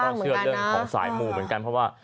เชื่อเรื่องของสายมูเหมือนกันเพราะว่า